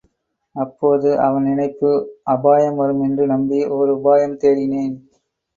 அப்போது அவன் நினைப்பு அபாயம் வரும் என்று நம்பி ஒர் உபாயம் தேடினேன்.